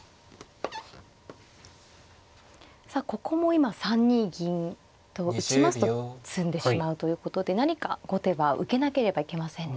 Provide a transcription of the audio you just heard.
さあここも今３二銀と打ちますと詰んでしまうということで何か後手は受けなければいけませんね。